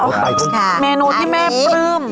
โอเคค่ะอันนี้ค่ะเมนูที่แม่ปลื้ม